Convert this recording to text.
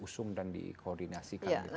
untuk diusung dan dikoordinasikan